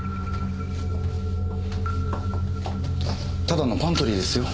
ただのパントリーですよ。